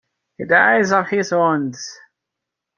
He dies of his wounds.